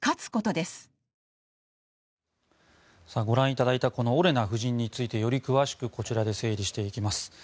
ご覧いただいたオレナ夫人についてより詳しくこちらで整理していきます。